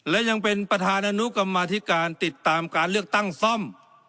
และยังเป็นประธานอนุกรรมาธิการติดตามการเลือกตั้งซ่อม